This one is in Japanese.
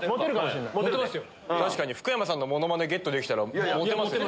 確かに福山さんのモノマネゲットできたらモテますね。